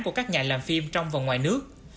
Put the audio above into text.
của các nhà làm phim trong và ngoài nước